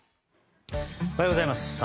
おはようございます。